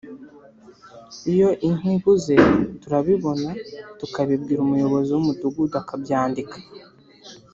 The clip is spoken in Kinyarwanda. iyo inka ibuze turabibona tukabibwira umuyobozi w’umudugudu akabyandika